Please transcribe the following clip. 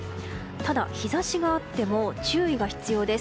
ただ、日差しがあっても注意が必要です。